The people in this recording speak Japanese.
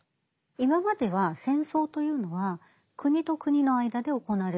今までは戦争というのは国と国の間で行われるものだった。